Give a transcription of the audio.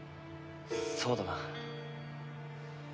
そうだな。